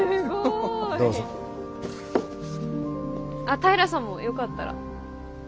あ平さんもよかったら。